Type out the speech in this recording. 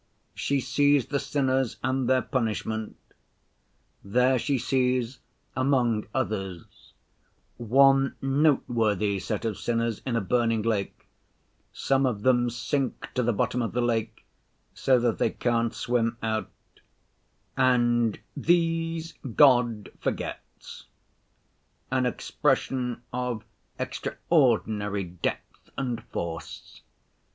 She sees the sinners and their punishment. There she sees among others one noteworthy set of sinners in a burning lake; some of them sink to the bottom of the lake so that they can't swim out, and 'these God forgets'—an expression of extraordinary depth and force.